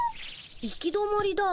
行き止まりだ。